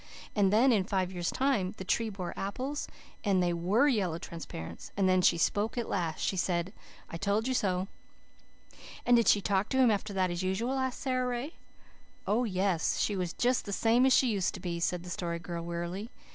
And then, in five years' time, the tree bore apples, and they WERE Yellow Transparents. And then she spoke at last. She said, 'I told you so.'" "And did she talk to him after that as usual?" asked Sara Ray. "Oh, yes, she was just the same as she used to be," said the Story Girl wearily.